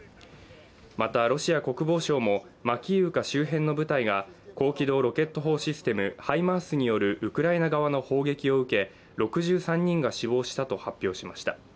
またロシア国防省もマキーウカ周辺の部隊が高機動ロケット砲システム、ハイマースによるウクライナ側の砲撃を受け６３人が死亡したと発表しました。